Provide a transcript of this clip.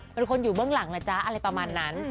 เป็นคนอยู่เบื้องหลังนะจ๊ะอะไรประมาณนั้น